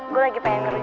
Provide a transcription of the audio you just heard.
gue lagi pengen kerujuk